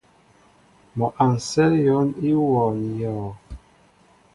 Mɔ a sέl yón í wōō ní yɔɔ.